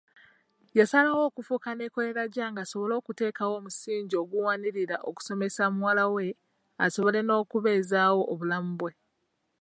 Yasalawo okufuuka neekolera gyange asobole okuteekawo omusingi ogunaawanirira okusomesa muwala we asobole n'okubeezaawo obulamu bwe.